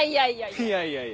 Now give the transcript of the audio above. いやいやいや。